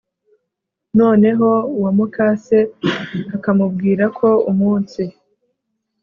noneho uwo mukase akamubwirako umunsi